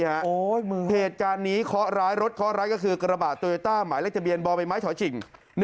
เหตุการณ์นี้เคาะร้ายรถเคาะร้ายก็คือกระบะโตโยต้าหมายเลขทะเบียนบ่อใบไม้ถอยฉิง